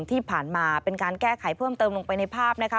ที่ผ่านมาเป็นการแก้ไขเพิ่มเติมลงไปในภาพนะคะ